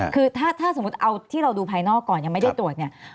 คือถ้าสมมุติเอาที่เราดูภายนอกก่อนยังไม่ได้ตรวจเนี่ย